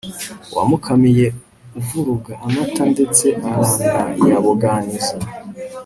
wamukamiye uvuruga amata ndetse aranayaboganiza